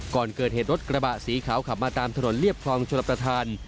ก่อนเกิดเหตุรถกระบะสีขาวขับมาตามถนนเรียบคลองชลประธาน